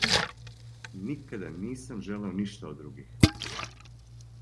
Никада нисам желео ништа од других...